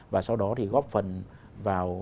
và sau đó thì góp phần vào